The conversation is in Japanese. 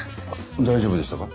大丈夫でしたか？